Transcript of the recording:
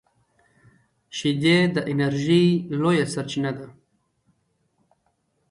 شیدې د انرژۍ لویه سرچینه ده